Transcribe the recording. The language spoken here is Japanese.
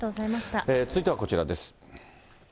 続いてはこちらです。